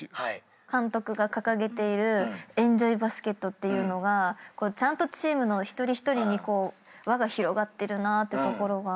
監督が掲げているエンジョイバスケットっていうのがちゃんとチームの一人一人に輪が広がってるなってところが。